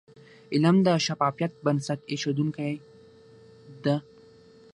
علم د شفافیت بنسټ ایښودونکی د.